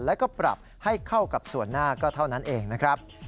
แล้วก็ปรับให้เข้ากับส่วนหน้าก็เท่านั้นเองนะครับ